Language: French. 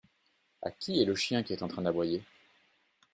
À qui est le chien qui est en train d’aboyer ?